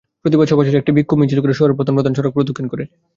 প্রতিবাদ সভা শেষে একটি বিক্ষোভ মিছিল শহরের প্রধান প্রধান সড়ক প্রদক্ষিণ করে।